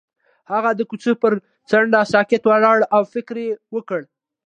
هغه د کوڅه پر څنډه ساکت ولاړ او فکر وکړ.